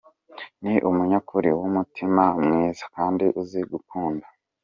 Ni umunyakuri, w’umutima mwiza kandi uzi gukunda.